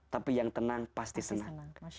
tapi yang tenang pasti senang